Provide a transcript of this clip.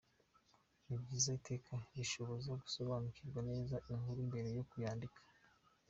Ni byiza iteka gushishoza, ugasobanukirwa neza inkuru mbere yo kuyandika.